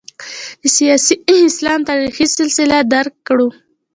د سیاسي اسلام تاریخي تسلسل درک کړو.